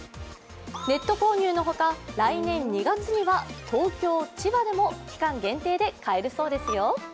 ネット購入のほか、来年２月には東京、千葉でも期間限定で買えるそうですよ。